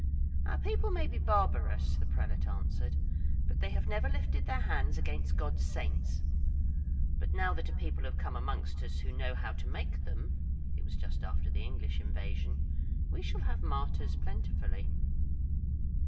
"Our people may be barbarous," the prelate answered, "but they have never lifted their hands against God's saints; but now that a people have come amongst us who know how to make them (it was just after the English invasion), we shall have martyrs plentifully."